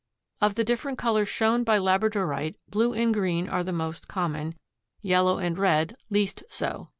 Of the different colors shown by labradorite blue and green are the most common, yellow and red least so.